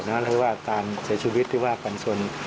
หรอคือว่าตามชีวิตครับหรือว่าปัญชน